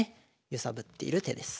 揺さぶっている手です。